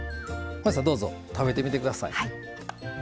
どうぞ食べてみてください。